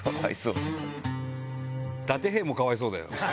ダテ兵もかわいそうだよ。